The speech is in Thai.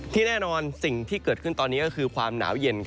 แน่นอนสิ่งที่เกิดขึ้นตอนนี้ก็คือความหนาวเย็น